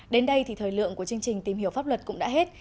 đến đây thì thời lượng của chương trình tìm hiểu pháp luật cũng đã hết